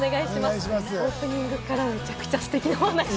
オープニングからめちゃくちゃステキな話で。